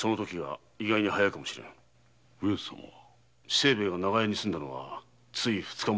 清兵衛が長屋に住んだのは二日前。